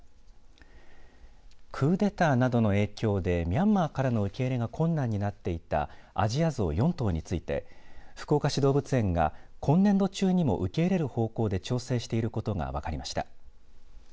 クーデターなどの影響でミャンマーからの受け入れが困難になっていたアジアゾウ４頭について福岡市動物園が今年度中にも受け入れる方向で調整していることが分かりました。